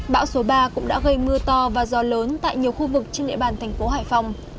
bão số ba cũng đã gây mưa to và gió lớn tại nhiều khu vực trên địa bàn thành phố hải phòng